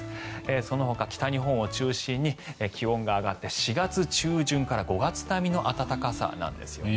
そのほか、北日本を中心に気温が上がって４月中旬から５月並みの暖かさなんですよね。